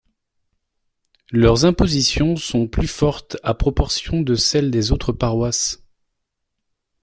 Leurs impositions sont plus fortes à proportion que celles des autres paroisses.